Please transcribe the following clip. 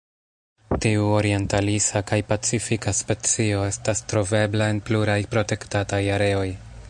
Tiu orientalisa kaj pacifika specio estas trovebla en pluraj protektataj areoj.